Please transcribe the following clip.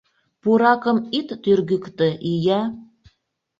Пуракым ит тӱргыктӧ, ия!